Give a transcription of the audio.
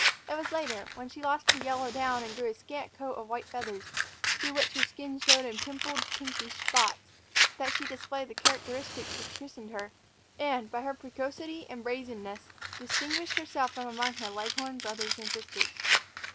It was later, when she lost her yellow down and grew a scant coat of white feathers, through which her skin showed in pimpled, pinkish spots, that she displayed the characteristics that christened her, and, by her precocity and brazenness, distinguished herself from among her leghorn brothers and sisters.